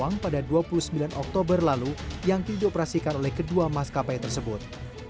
yang jatuh di perairan karawang pada dua puluh sembilan oktober lalu yang dioperasikan oleh kedua maskapai tersebut